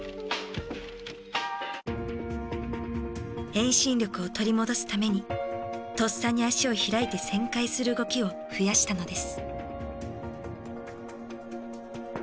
遠心力を取り戻すためにとっさに足を開いて旋回する動きを増やしたのです。